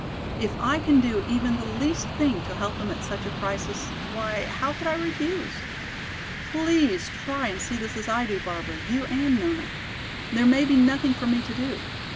If I can do even the least thing to help him at such a crisis, why, how could I refuse? Please try and see this as I do, Barbara, you and Nona. There may be nothing for me to do.